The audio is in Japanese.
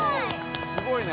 すごいね。